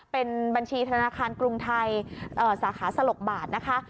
เป็นบัญชีธนาคารกรุงไทยสาขาสลกบาทนะคะ